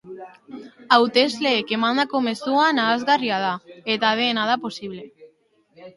Hautesleek emandako mezua nahasgarria da eta dena da posible.